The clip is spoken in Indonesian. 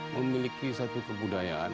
memiliki satu kebudayaan